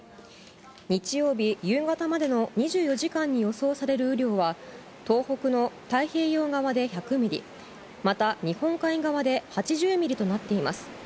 日曜日夕方までの２４時間に予想される雨量は、東北の太平洋側で１００ミリ、また日本海側で８０ミリとなっています。